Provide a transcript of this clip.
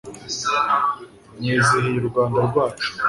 mwizihiye u rwanda rwacu